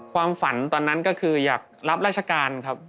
ความฝันตอนนั้นก็คืออยากรับราชการครับ